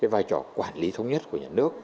vai trò quản lý thống nhất của nhà nước